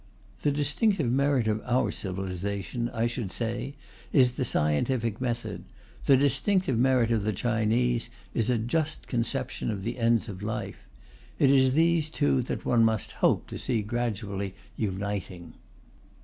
The distinctive merit of our civilization, I should say, is the scientific method; the distinctive merit of the Chinese is a just conception of the ends of life. It is these two that one must hope to see gradually uniting.